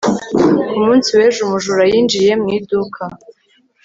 ku munsi w'ejo, umujura yinjiye mu iduka